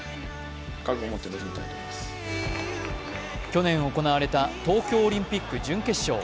去年行われた東京オリンピック準決勝。